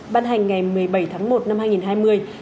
ban hành ngày một mươi bảy tháng một năm hai nghìn hai mươi